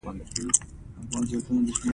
مومن خان به هندوستان څخه شالونه راوړي.